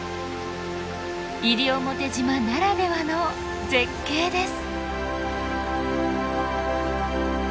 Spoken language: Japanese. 西表島ならではの絶景です。